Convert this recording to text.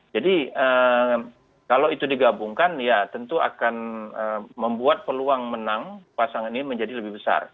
jadi kalau itu digabungkan ya tentu akan membuat peluang menang pasangan ini menjadi lebih besar